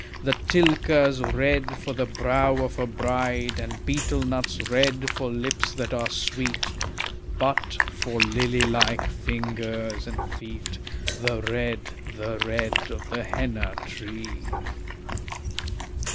The tilka's red for the brow of a bride, And betel nut's red for lips that are sweet; But, for lily like fingers and feet, The red, the red of the henna tree.